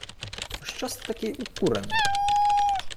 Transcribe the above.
— Пощо-с такий укурений?